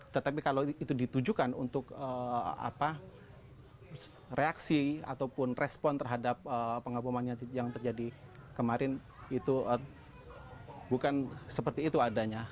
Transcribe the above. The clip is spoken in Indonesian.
tetapi kalau itu ditujukan untuk reaksi ataupun respon terhadap pengabomannya yang terjadi kemarin itu bukan seperti itu adanya